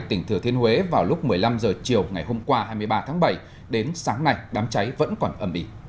tỉnh thừa thiên huế vào lúc một mươi năm h chiều ngày hôm qua hai mươi ba tháng bảy đến sáng nay đám cháy vẫn còn ẩm bì